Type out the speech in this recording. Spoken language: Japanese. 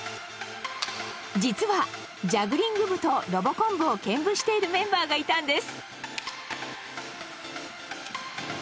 実はジャグリング部とロボコン部を兼部しているメンバーがいたんです。